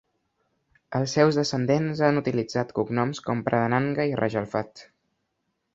Els seus descendents han utilitzat cognoms com Pradhananga i Rajalwat.